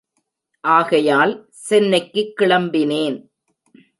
ஆகையால் சென்னைக்குக் கிளம்பினேன்.